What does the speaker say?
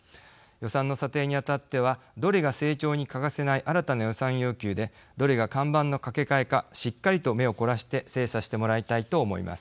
予算の査定にあたってはどれが成長に欠かせない新たな予算要求でどれが看板のかけかえかしっかりと目を凝らして精査してもらいたいと思います。